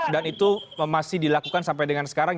dan itu masih dilakukan sampai dengan sekarang